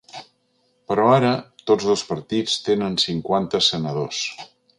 Però ara tots dos partits tenen cinquanta senadors.